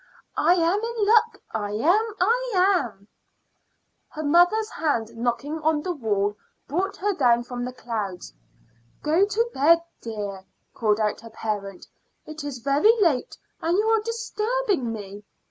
I am in luck; I am I am." Her mother's hand knocking on the wall brought her down from the clouds. "Go to bed, dear," called out her parent. "It is very late, and you are disturbing me."